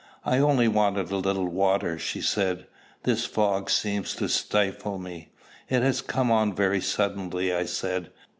"I only wanted a little water," she said. "This fog seems to stifle me." "It has come on very suddenly," I said.